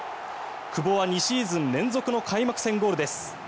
久保は２シーズン連続の開幕戦ゴールです。